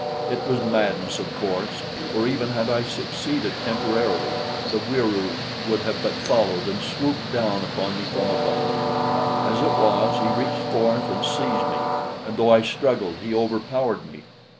It was madness of course, for even had I succeeded temporarily, the Wieroo would have but followed and swooped down upon me from above. As it was, he reached forth and seized me, and though I struggled, he overpowered me.